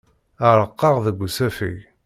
Ɛerqeɣ deg usafag.